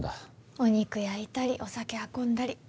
お肉焼いたりお酒運んだり。